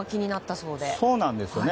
そうなんですよね。